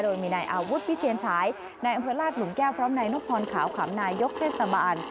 โดยมีนายอาวุธวิเชียนฉายในอำเภอลาดหลุมแก้วพร้อมนายนพรขาวขำนายกเทศบาล